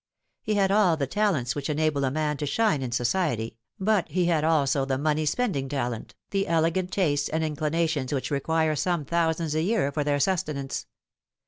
He had all the talents which enable a man to shine in society, but he had also the money spending talent, the elegant tastes and inclinations which require some thousands a year for their sustenance.